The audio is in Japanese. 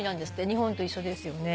日本と一緒ですよね。